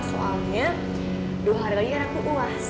soalnya dua hari lagi kan aku uas